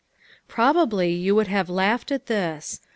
Probably you would have laughed at this.